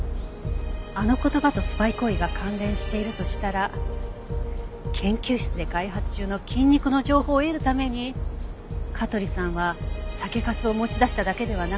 あの言葉とスパイ行為が関連しているとしたら研究室で開発中の菌肉の情報を得るために香取さんは酒粕を持ち出しただけではなく。